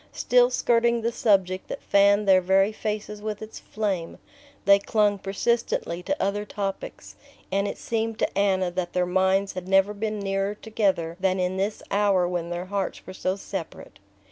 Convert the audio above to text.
Still skirting the subject that fanned their very faces with its flame, they clung persistently to other topics, and it seemed to Anna that their minds had never been nearer together than in this hour when their hearts were so separate.